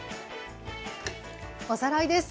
おさらいです。